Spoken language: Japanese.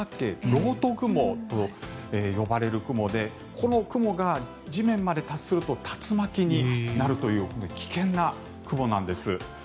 漏斗雲と呼ばれる雲でこの雲が地面まで達すると竜巻になるという危険な雲なんです。